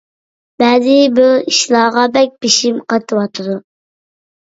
بەزىبىر ئىشلارغا بەك بېشىم قېتىۋاتىدۇ.